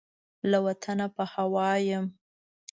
له وطنه په هوا یم